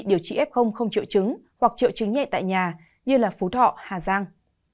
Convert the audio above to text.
điều trị f không triệu chứng hoặc triệu chứng nhẹ tại nhà như phú thọ hà giang